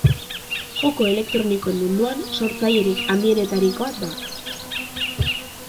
Joko elektronikoen munduan sortzailerik handienetarikoa da.